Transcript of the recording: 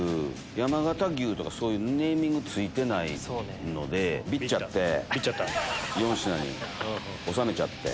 山形牛とかそういうネーミング付いてないのでビッちゃって４品に収めちゃって。